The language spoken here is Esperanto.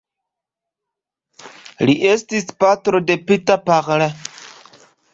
Li estis patro de Peter Parler.